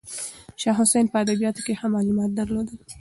شاه حسین په ادبیاتو کې ښه معلومات درلودل.